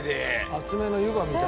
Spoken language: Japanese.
厚めの湯葉みたい。